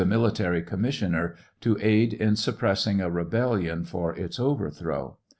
military commissioner, to aid in suppressing a rebellion for its overthrow.